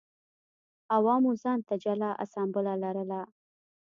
عوامو ځان ته جلا اسامبله لرله